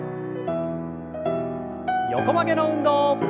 横曲げの運動。